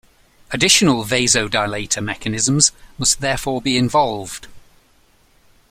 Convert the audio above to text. Additional vasodilator mechanisms must therefore be involved.